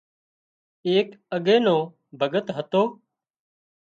ايڪ اڳي نو ڀڳت هتو